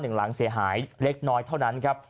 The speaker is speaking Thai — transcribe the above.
หลังเสียหายเล็กน้อยเท่านั้นครับ